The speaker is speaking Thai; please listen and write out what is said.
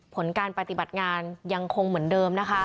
ผลการปฏิบัติงานยังคงเหมือนเดิมนะคะ